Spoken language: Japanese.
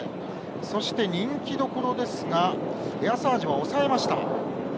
そして、人気どころですがエアサージュは抑えました。